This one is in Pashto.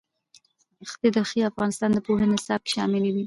ښتې د افغانستان د پوهنې نصاب کې شامل دي.